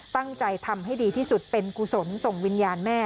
ตั้งใจทำให้ดีที่สุดเป็นกุศลส่งวิญญาณแม่